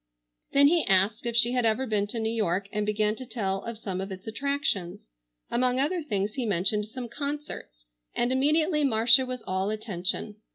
Then he asked if she had ever been to New York and began to tell of some of its attractions. Among other things he mentioned some concerts, and immediately Marcia was all attention.